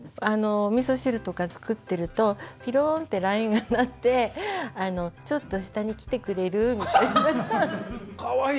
おみそ汁とか作ってるとピローンってＬＩＮＥが鳴って「ちょっと下に来てくれる？」みたいな。かわいい。